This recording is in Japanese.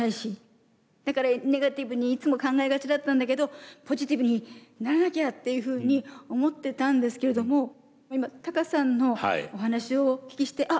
だからネガティブにいつも考えがちだったんだけどポジティブにならなきゃっていうふうに思ってたんですけれども今ＴＡＫＡさんのお話をお聞きして「あっ一緒だ」と思って。